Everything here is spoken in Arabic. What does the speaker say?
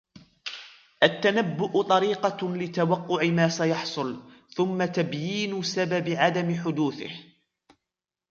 التنبؤ طريقة لتوقع ما سيحصل ، ثم تبيين سبب عدم حدوثه.